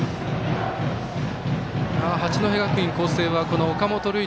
八戸学院光星は岡本琉奨